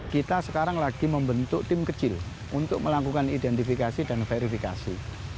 kita sekarang lagi membentuk tim kecil untuk melakukan identifikasi dan verifikasi